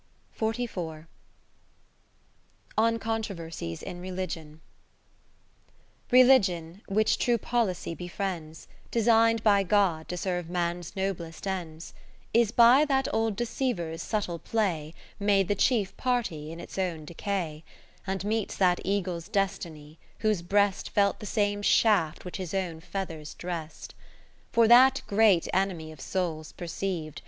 Katheriiie Philips On Controversies in Religion Religion, which true poHcy be friends, Design'd by God to serve Man's noblest ends, Is by that old Deceiver's subtle play Made the chief party in its own decay, And meets that eagle's destiny, whose breast Felt the same shaft which his own feathers drest. For that great Enemy of souls per ceiv'd.